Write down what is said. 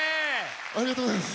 ありがとうございます。